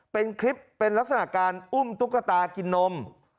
เป็นคลิปเป็นลักษณะการอุ้มตุ๊กตากินนม